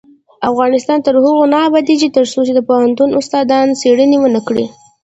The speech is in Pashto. افغانستان تر هغو نه ابادیږي، ترڅو د پوهنتون استادان څیړنې ونکړي.